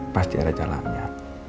pasti ada jalannya